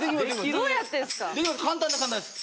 簡単です簡単です。